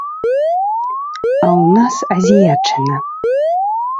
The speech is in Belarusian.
А ў нас азіятчына.